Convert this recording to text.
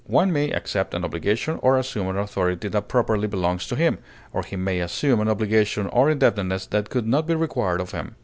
One may accept an obligation or assume an authority that properly belongs to him, or he may assume an obligation or indebtedness that could not be required of him.